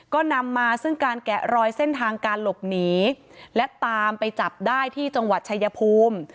ก็นำมาซึ่งการแกะรอยเส้นทางการหลบหนีและตามไปจับได้ที่จังหวัดชายภูมิ